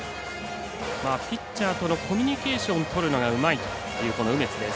ピッチャーとのコミュニケーションをとるのがうまいという梅津です。